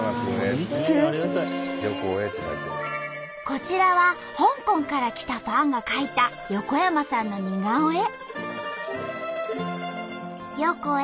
こちらは香港から来たファンが描いた横山さんの似顔絵。